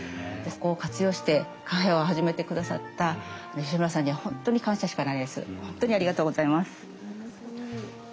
ここを活用してカフェを始めてくださった吉村さんには本当に感謝しかないです。